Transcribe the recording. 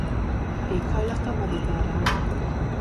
Éghajlata mediterrán.